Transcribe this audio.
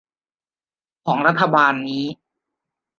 ของรัฐบาลนี้